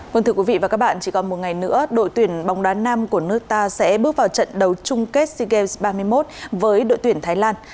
vâng thưa quý vị và các bạn chỉ còn một ngày nữa đội tuyển bóng đá nam của nước ta sẽ bước vào trận đấu chung kết sea games ba mươi một với đội tuyển thái lan